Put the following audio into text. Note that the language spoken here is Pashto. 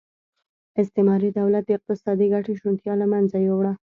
استعماري دولت د اقتصادي ګټې شونتیا له منځه یووړه.